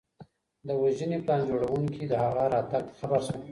د وژنې پلان جوړونکي د هغه راتګ ته خبر شول.